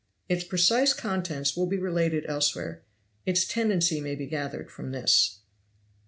Its precise contents will be related elsewhere. Its tendency may be gathered from this.